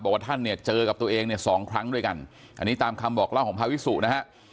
ท่านเนี่ยเจอกับตัวเองเนี่ยสองครั้งด้วยกันอันนี้ตามคำบอกเล่าของพาวิสุนะฮะ